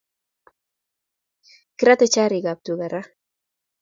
Kirate chrik ab tuka raa